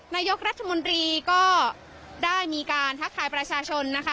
นายกรัฐมนตรีก็ได้มีการทักทายประชาชนนะคะ